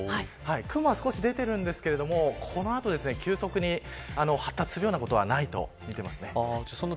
雲は少し出ていますがこの後急速に発達するようなことはないと見ています。